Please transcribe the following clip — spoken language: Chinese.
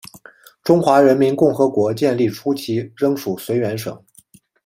中华人民共和国建立初期仍属绥远省。